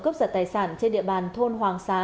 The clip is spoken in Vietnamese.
cướp giật tài sản trên địa bàn thôn hoàng xá